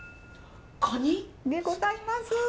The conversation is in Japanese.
蟹？でございます。